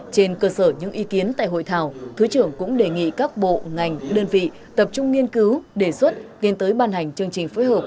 trên cơ sở những ý kiến tại hội thảo thứ trưởng cũng đề nghị các bộ ngành đơn vị tập trung nghiên cứu đề xuất tiến tới ban hành chương trình phối hợp